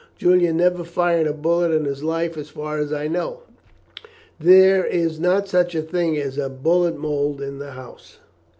Julian never fired a bullet in his life, as far as I know. There is not such a thing as a bullet mould in the house."